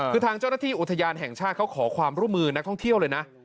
คือทางเจ้าหน้าที่อุทยานแห่งชาติเขาขอความร่วมมือนักท่องเที่ยวเลยนะ